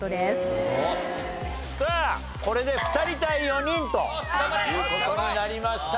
さあこれで２人対４人という事になりました。